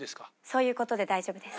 そういう事で大丈夫です。